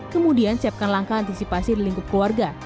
kemudian siapkan langkah antisipasi di lingkup keluarga